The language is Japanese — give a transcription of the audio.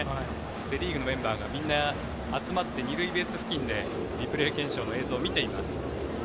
セ・リーグのメンバーがみんな集まって２塁ベース付近でリプレイ検証の様子を見ています。